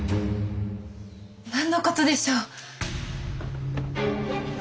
何の事でしょう？